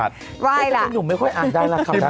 ใช่ไหม